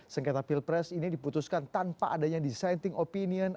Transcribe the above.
sengketa pilpres ini diputuskan tanpa adanya dissenting opinion